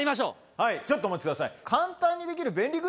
はいちょっとお待ちください。